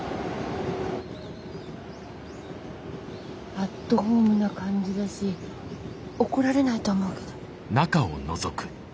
アットホームな感じだし怒られないと思うけど。